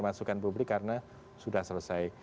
masukan publik karena sudah selesai